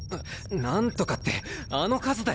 「何とか」ってあの数だよ？